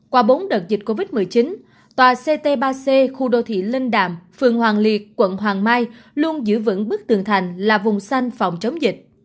qua bốn đợt dịch covid một mươi chín tòa ct ba c khu đô thị linh đàm phường hoàng liệt quận hoàng mai luôn giữ vững bức tường thành là vùng xanh phòng chống dịch